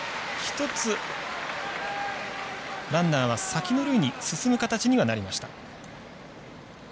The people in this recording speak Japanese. １つランナーは先の塁に進む形にはなりました。